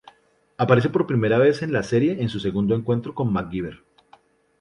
Aparece por primera vez en la serie en su segundo encuentro con MacGyver.